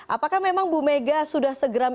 apakah memang bumega sudah segeram